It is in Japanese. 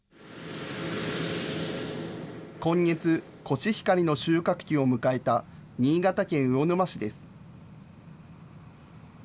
今月、コシヒカリの収穫期を迎えた新潟県魚沼市です。